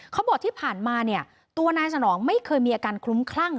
เขาบอกที่ผ่านมาเนี่ยตัวนายสนองไม่เคยมีอาการคลุ้มคลั่ง